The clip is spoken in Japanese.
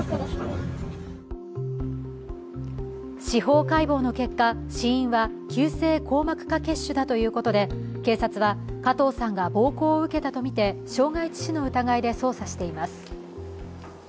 司法解剖の結果、死因は急性硬膜下血腫だということで警察は加藤さんが暴行を受けたとみて傷害致死の疑いで捜査しています。